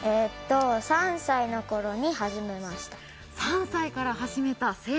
３歳のころに始めました。